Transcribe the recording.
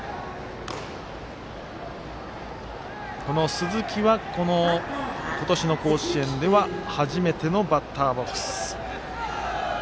鈴木は、今年の甲子園では初めてのバッターボックス。